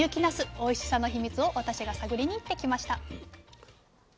おいしさの秘密を私が探りに行ってきました。